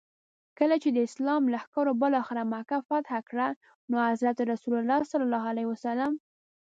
کله چي د اسلام لښکرو بالاخره مکه فتح کړه نو حضرت رسول ص.